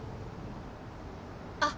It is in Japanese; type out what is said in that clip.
あっ。